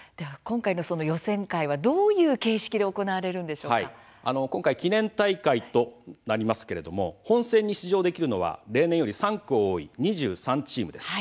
その予選会はどういう今回記念大会となりますが本選に出場できるのは例年より３校多い２３チームです。